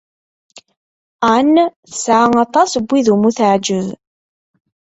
Anne tesɛa aṭas n wid umi teɛjeb.